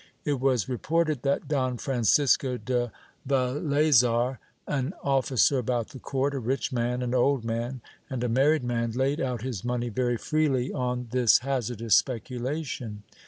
It was reported that Don Francisco de Va leasar, an officer about the court, a rich man, an old man, and a married man, laid out his money very freely on this hazardous speculation.